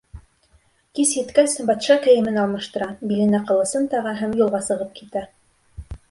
Кис еткәс, батша кейемен алмаштыра, биленә ҡылысын таға һәм юлға сығып китә.